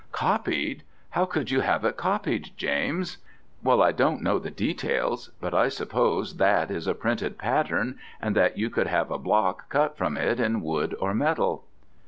"Copied? how could you have it copied, James?" "Well, I don't know the details, but I suppose that is a printed pattern, and that you could have a block cut from it in wood or metal."